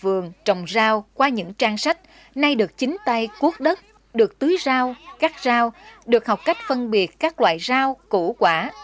tô du lịch cuối tuần trồng rau qua những trang sách nay được chính tay cuốt đất được tưới rau cắt rau được học cách phân biệt các loại rau củ quả